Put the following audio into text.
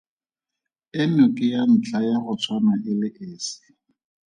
Eno ke ya ntlha ya go tshwana e le esi.